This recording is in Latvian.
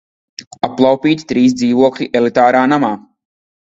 Aplaupīti trīs dzīvokļi elitārā namā!